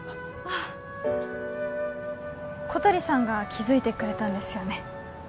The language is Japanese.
あ小鳥さんが気づいてくれたんですよね